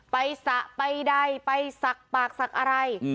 ไปสะไปใดไปสักปากสักอะไร